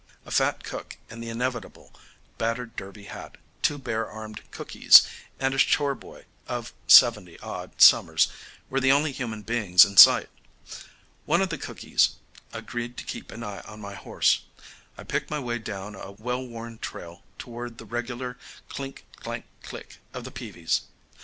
A fat cook in the inevitable battered derby hat, two bare armed cookees, and a chore "boy" of seventy odd summers were the only human beings in sight. One of the cookees agreed to keep an eye on my horse. I picked my way down a well worn trail toward the regular clank, clank, click of the peavies.